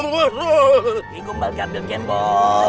ging gombal keambil kenbol